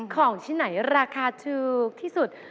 ของที่ไหนราคาถูกที่สุด